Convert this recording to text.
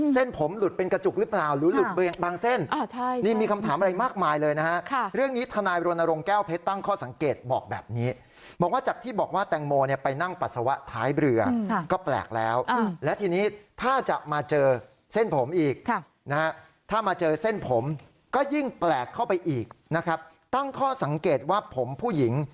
เส้นผมหลุดเป็นกระจุกหรือเปล่าหรือหลุดเปลี่ยงบางเส้น